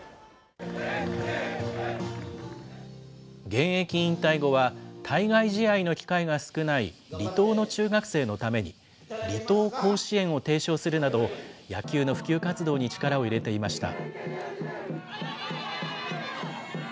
現役引退後は、対外試合の機会が少ない離島の中学生のために、離島甲子園を提唱するなど、野球の普及活動に力を入れていました。